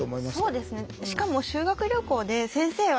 そうですね